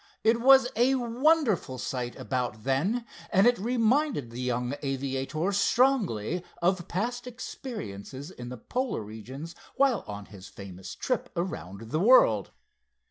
It was a wonderful sight about then, and it reminded the young aviator strongly of past experiences in the polar regions, while on his famous trip around the world.